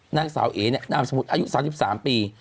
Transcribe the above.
นางสาวเอเนี่ยนามสมมติอายุสามสิบสามปี